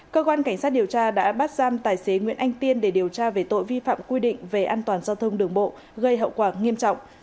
cơ quan cảnh sát điều tra đã bắt giam tài xế nguyễn anh tiên để điều tra về tội vi phạm quy định về an toàn giao thông đường bộ gây hậu quả nghiêm trọng